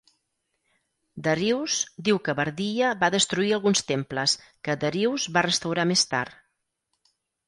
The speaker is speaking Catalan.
Darius diu que Bardiya va destruir alguns temples, que Darius va restaurar més tard.